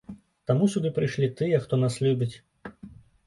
Таму сюды прыйшлі тыя, хто нас любіць.